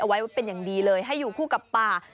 เอาไว้ว่าเป็นอย่างดีเลยให้อยู่กับผู้ป่า